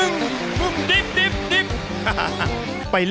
ออกออกออกออกออก